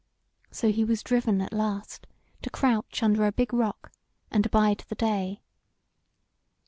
So he was driven at last to crouch under a big rock and abide the day.